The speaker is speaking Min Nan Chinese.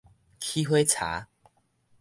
起火柴